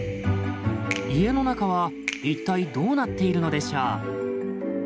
家の中は一体どうなっているのでしょう？